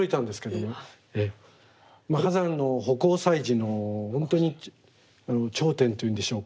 波山の葆光彩磁の本当に頂点というんでしょうか。